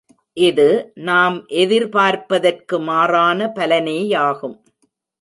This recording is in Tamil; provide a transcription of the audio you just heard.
இது நாம் எதிர்பார்ப்பதற்கு மாறான பலனேயாகும்.